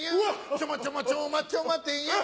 ちょまちょまちょまちょ待てよ